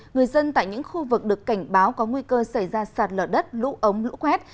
người dân tại những khu vực được cảnh báo có nguy cơ xảy ra sạt lở đất lũ ống lũ quét